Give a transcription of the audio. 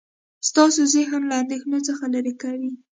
ستاسو ذهن له اندیښنو څخه لرې کوي.